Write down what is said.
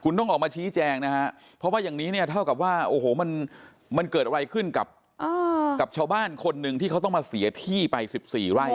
คุณต้องออกมาชี้แจงนะฮะเพราะว่าอย่างนี้เนี่ยเท่ากับว่าโอ้โหมันเกิดอะไรขึ้นกับชาวบ้านคนหนึ่งที่เขาต้องมาเสียที่ไป๑๔ไร่